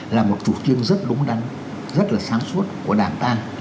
là một chủ trương rất đúng đắn rất là sáng suốt của đảng ta